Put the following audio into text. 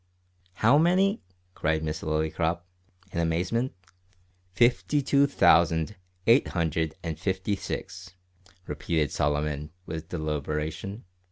"How many?" cried Miss Lillycrop, in amazement. "Fifty two thousand eight hundred and fifty six," repeated Solomon with deliberation.